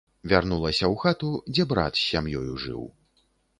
Вярнулася ў хату, дзе брат з сям'ёю жыў.